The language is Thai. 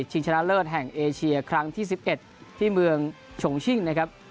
ชนะเลิศแห่งเอเชียครั้งที่๑๑ที่เมืองชงชิ่งนะครับ